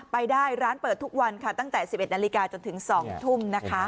ไปได้ร้านเปิดทุกวันค่ะตั้งแต่๑๑นาฬิกาจนถึง๒ทุ่มนะคะ